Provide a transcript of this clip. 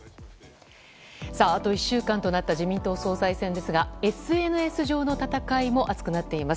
あと１週間となった自民党総裁選ですがＳＮＳ上の戦いも熱くなっています。